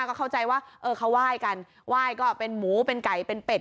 ก็เข้าใจว่าเออเขาไหว้กันไหว้ก็เป็นหมูเป็นไก่เป็นเป็ด